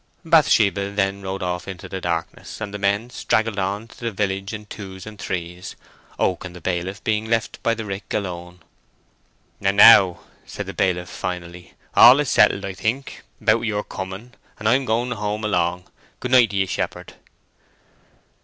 Bathsheba then rode off into the darkness, and the men straggled on to the village in twos and threes—Oak and the bailiff being left by the rick alone. "And now," said the bailiff, finally, "all is settled, I think, about your coming, and I am going home along. Good night to ye, shepherd."